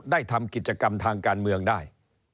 ทำกิจกรรมทางการเมืองได้